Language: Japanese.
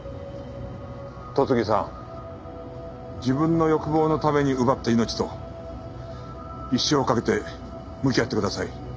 戸次さん自分の欲望のために奪った命と一生かけて向き合ってください。